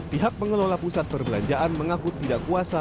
pihak pengelola pusat perbelanjaan mengaku tidak kuasa